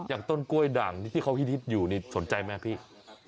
อย่างต้นกล้วยด่างที่เขาหิดอยู่สนใจไหม